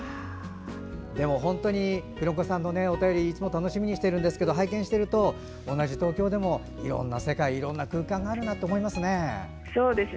でも本当にくろんこさんのお便りいつも楽しみにしてるんですけど拝見していると同じ東京でも、いろんな世界いろんな空間があるなと思います。